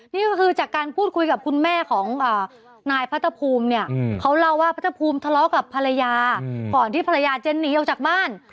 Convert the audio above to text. นี่ก็คือจากการพูดคุยกับคุณแม่ของนายพระธภูมิเนี่ยเขาเล่าว่าพระทภูมิทะเลาะกับภรรยาก่อนที่ภรรยาจะหนีออกจากบ้าน